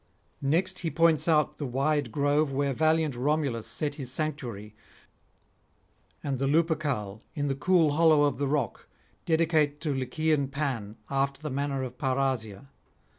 Next he points out the wide grove where valiant Romulus set his sanctuary, and the Lupercal in the cool hollow of the rock, dedicate to Lycean Pan after the manner of Parrhasia.